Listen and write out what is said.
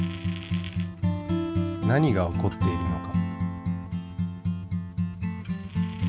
何が起こっているのか。